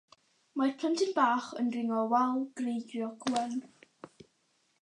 Mae'r plentyn bach yn dringo wal greigiog wen.